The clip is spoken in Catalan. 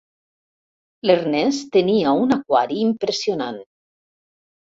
L'Ernest tenia un aquari impressionant.